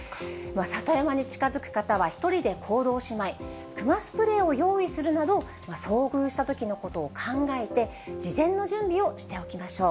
里山に近づく方は、１人で行動しない、クマスプレーを用意するなど、遭遇したときのことを考えて、事前の準備をしておきましょう。